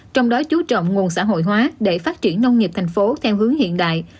trong đó chú trọng nguồn xã hội hóa để phát triển nông nghiệp thành phố theo hướng hiện đại